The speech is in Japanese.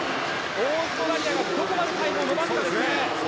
オーストラリアがどこまでタイムを伸ばすかですね。